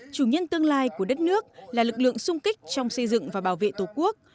chủ nhân tương lai của đất nước là lực lượng sung kích trong xây dựng và bảo vệ tổ quốc